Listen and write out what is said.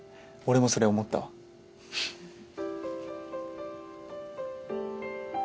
俺もそれ思ったわ。